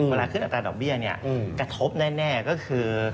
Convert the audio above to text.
เวลาขึ้นอัตราดอกเบี้ยเนี่ยกระทบแน่ก็คือ